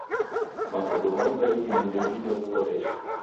Makongo ghamu gha idime ndeghine w'uhoreshi.